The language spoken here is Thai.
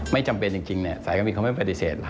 ไม่จำเป็นจริงสายการบินเขาไม่ปฏิเสธ